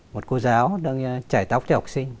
một cô giáo đang chảy tóc cho học sinh